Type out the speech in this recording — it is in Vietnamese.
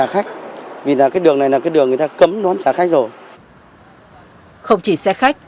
không chỉ xe khách